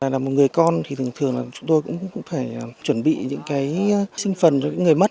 là một người con thì thường thường là chúng tôi cũng phải chuẩn bị những cái sinh phần cho những người mất